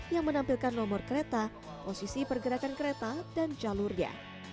yang menampilkan nomor kereta posisi pergerakan kereta dan jalurnya